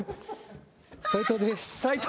斉藤です。